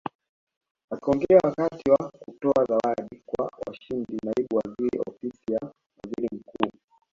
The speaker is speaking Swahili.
Akiongea wakati wa kutoa zawadi kwa washindi Naibu Waziri Ofisi ya Waziri Mkuu